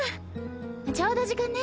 ちょうど時間ね。